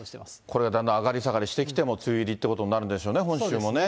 これがだんだん上がり下がりしてきて、もう梅雨入りということになるんでしょうね、本州もね。